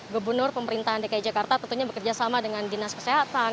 gubernur pemerintahan dki jakarta tentunya bekerjasama dengan dinas kesehatan